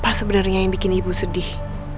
apa sebenarnya yang bikin ibu sedih